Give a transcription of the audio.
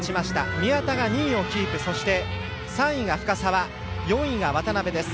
宮田が２位をキープ３位が深沢４位が渡部です。